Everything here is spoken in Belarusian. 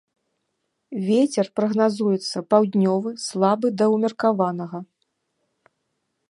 Вецер прагназуецца паўднёвы слабы да ўмеркаванага.